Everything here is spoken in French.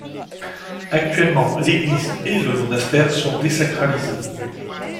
Actuellement, l'église et le monastère sont désacralisés.